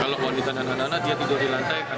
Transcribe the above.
kalau wanita dan anak anak dia tidur di lantai